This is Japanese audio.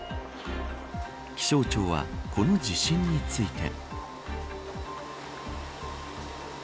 気象庁は、この地震について。